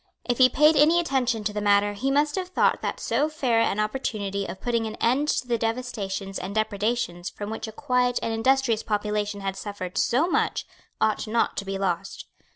If he paid any attention to the matter, he must have thought that so fair an opportunity of putting an end to the devastations and depredations from which a quiet and industrious population had suffered so much ought not to be lost.